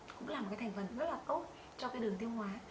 cũng là một thành phần rất là tốt cho đường tiêu hóa